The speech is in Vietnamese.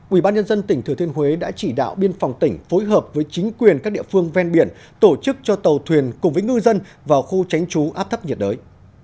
ubnd tỉnh thừa thiên huế đã chỉ đạo biên phòng tỉnh phối hợp với chính quyền các địa phương ven biển tổ chức cho tàu thuyền cùng với ngư dân vào khu tránh trú áp thấp nhiệt đới